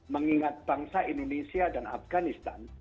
mengingat bangsa indonesia dan afganistan